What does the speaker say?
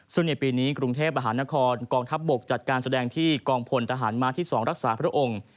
ซึ่งในปีนี้กรุงเทพมหานครกองทัพบกจัดการแสดงที่กองพลทหารมาที่๒รักษาพระองค์